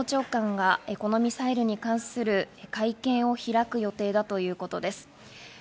そしてこの後、官房長官がこのミサイルに関する会見を開く予定だということです。